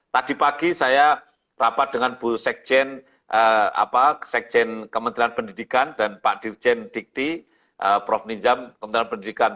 tadi pagi saya rapat dengan bu sekjen kementerian pendidikan dan pak dirjen dikti prof ninjam kementerian pendidikan